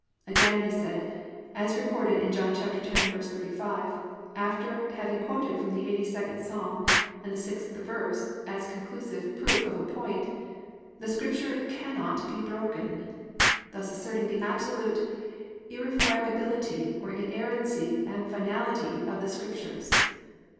Again he said, as recorded in John 10:35, after having quoted from the 82nd Psalm and the 6th verse, as conclusive proof of a point, "The Scripture CANNOT BE BROKEN," thus asserting the absolute irrefragability or inerrancy and finality of the Scriptures.